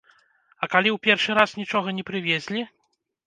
А калі ў першы раз нічога не прывезлі?